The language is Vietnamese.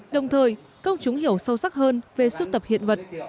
đồng thời công chúng hiểu sâu sắc hơn về sưu tập hiện vật